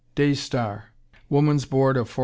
Day Star Woman's Bd. of For.